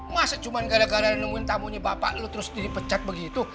masa cuma gara gara nemuin tamunya bapak lu terus dipecat begitu